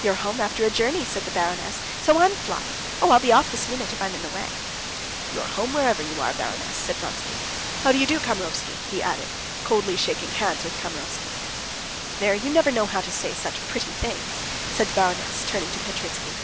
"You're home after a journey," said the baroness, "so I'm flying. Oh, I'll be off this minute, if I'm in the way." "You're home, wherever you are, baroness," said Vronsky. "How do you do, Kamerovsky?" he added, coldly shaking hands with Kamerovsky. "There, you never know how to say such pretty things," said the baroness, turning to Petritsky.